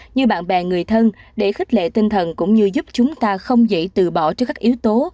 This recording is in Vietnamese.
như bạn bè người thân để khích lệ tinh thần cũng như giúp chúng ta không dễ từ bỏ trước các yếu tố